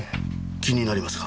気になりますか？